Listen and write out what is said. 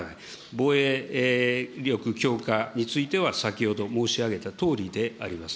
防衛力強化については、先ほど申し上げたとおりであります。